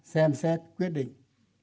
một mươi ba xem xét quyết định